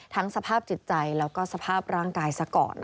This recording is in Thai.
สภาพจิตใจแล้วก็สภาพร่างกายซะก่อน